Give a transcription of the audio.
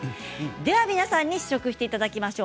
では皆さんに試食していただきましょう。